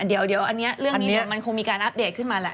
เดี๋ยวอันนี้เรื่องนี้แบบมันคงมีการอัพเดทขึ้นมาล่ะ